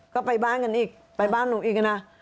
ก็ไปบ้านกันอีกไปบ้านหนูอีกนะ